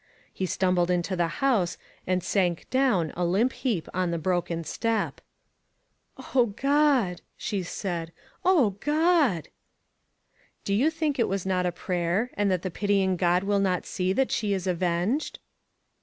He stumbled into the house, and sank down a limp heap on the broken step. "O God!" she said, "O God!" Do you think it vras not a prayer, and that the pitying God will not see that she is avenged?